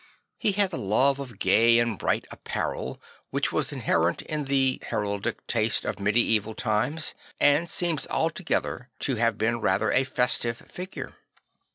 He had the love of gay and bright apparel which was inherent in the heraldic taste of medieval times and seems altogether to have been rather a festive figure.